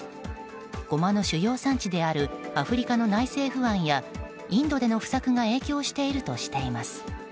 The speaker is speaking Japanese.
ゴマの主要産地であるアフリカの内政不安やインドでの不作が影響しているとしています。